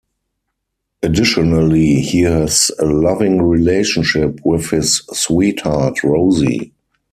Additionally, he has a loving relationship with his sweetheart, Rosie.